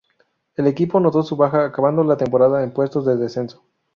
El equipo notó su baja, acabando la temporada en puestos de descenso.